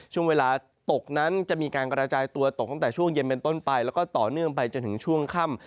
ช่วงเวลาตกนั้นจะมีการกระจายตัวตกตั้งแต่ช่วงเย็นเป็นต้นไปแล้วก็ต่อเนื่องไปจนถึงช่วงค่ำ